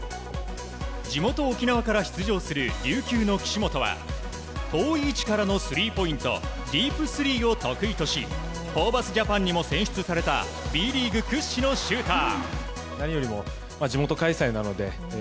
地元・沖縄から出場する琉球の岸本は遠い位置からのスリーポイントディープ３を得意としホーバスジャパンにも選出されたＢリーグ屈指のシューター。